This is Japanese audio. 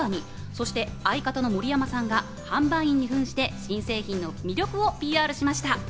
そして相方の盛山さんが販売員に扮して新製品の魅力をＰＲしました。